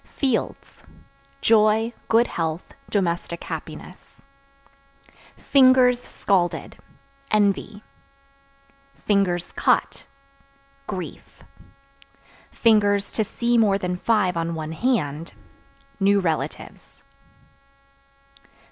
Fields Joy, good health, domestic happiness. Fingers (Scalded) envy; (cut) grief; (to see more than five on one hand) new relatives.